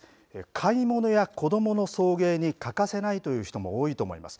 買い物や子どもの送迎に欠かせないという人も多いと思います。